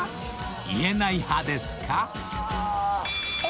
言えない派ですか？］